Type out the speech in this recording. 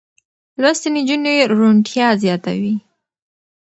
لوستې نجونې روڼتيا زياتوي.